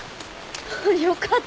よかったよ。